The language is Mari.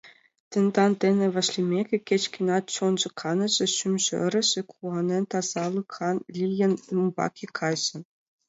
Тендан дене вашлиймеке, кеч-кӧнат чонжо каныже, шӱмжӧ ырыже, куанен, тазалыкан лийын, умбаке кайыже!..